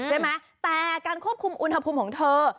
ใช่ไหมแต่การควบคุมอุณหภูมิของเธอ